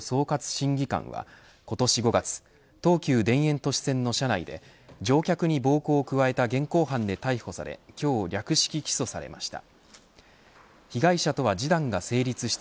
審議官は今年５月、東急田園都市線の走行中の車内で乗客に暴行を加えた現行犯で逮捕され今日、略式起訴されました。